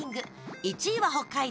１位は北海道。